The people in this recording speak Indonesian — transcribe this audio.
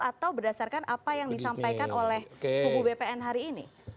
atau berdasarkan apa yang disampaikan oleh kubu bpn hari ini